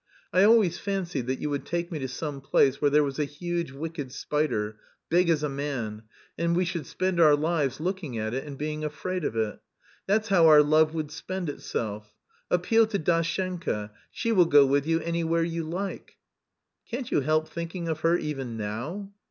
I always fancied that you would take me to some place where there was a huge wicked spider, big as a man, and we should spend our lives looking at it and being afraid of it. That's how our love would spend itself. Appeal to Dashenka; she will go with you anywhere you like." "Can't you help thinking of her even now?"